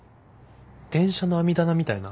電車の網棚みたいな？